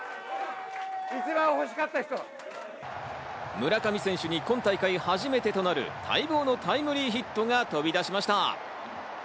村上選手に今大会初めてとなる待望のタイムリーヒットが飛び出しました。